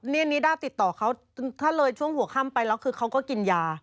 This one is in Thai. นี่นิด้าติดต่อเขาถ้าเลยช่วงหัวค่ำไปแล้วคือเขาก็กินยา